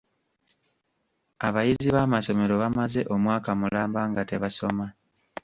Abayizi b'amasomero bamaze omwaka mulamba nga tebasoma